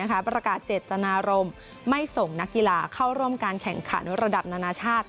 ประกาศเจตนารมณ์ไม่ส่งนักกีฬาเข้าร่วมการแข่งขันระดับนานาชาติ